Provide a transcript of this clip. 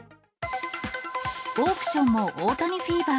オークションも大谷フィーバー。